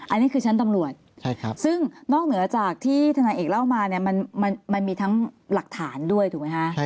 อันนี้คือชั้นตำรวจซึ่งนอกเหนือจากที่ธนายเอกเล่ามาเนี่ยมันมีทั้งหลักฐานด้วยถูกไหมคะ